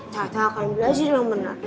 tata akan belajar yang benar